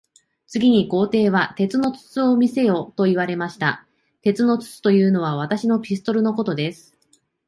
次に皇帝は、鉄の筒を見せよと言われました。鉄の筒というのは、私のピストルのことです。